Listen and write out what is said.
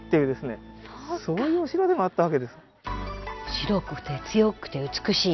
白くて強くて美しい。